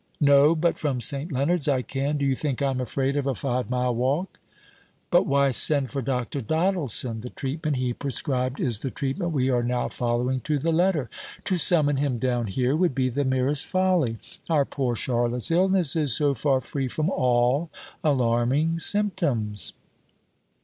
"No, but from St. Leonards I can. Do you think I am afraid of a five mile walk?" "But why send for Dr. Doddleson? The treatment he prescribed is the treatment we are now following to the letter. To summon him down here would be the merest folly. Our poor Charlotte's illness is, so far, free from all alarming symptoms."